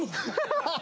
アハハハ！